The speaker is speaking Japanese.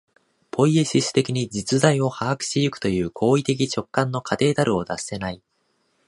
ポイエシス的に実在を把握し行くという行為的直観の過程たるを脱せない。